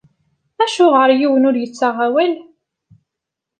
Acuɣer yiwen ur iyi-yettaɣ awal?